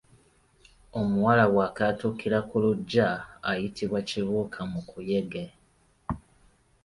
Omuwala bw’akaatuukira ku luggya ayitibwa Kibuukamukuyege.